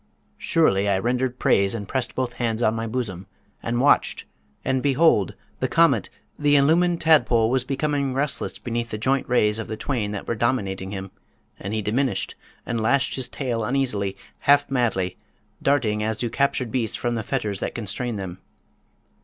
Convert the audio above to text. Surely I rendered praise, and pressed both hands on my bosom, and watched, and behold! the comet, the illumined tadpole, was becoming restless beneath the joint rays of the twain that were dominating him; and he diminished, and lashed his tail uneasily, half madly, darting as do captured beasts from the fetters that constrain them.